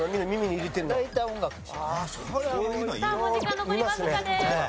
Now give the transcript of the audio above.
お時間残りわずかです。